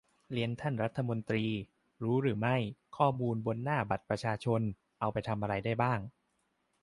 เรียนท่านรัฐมนตรี รู้หรือไม่ ? ข้อมูลบน 'หน้าบัตรประชาชน' เอาไปทำอะไรได้บ้าง